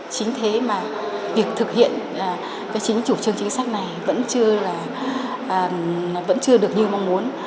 chính thế mà việc thực hiện cái chính chủ trương chính sách này vẫn chưa là vẫn chưa được như mong muốn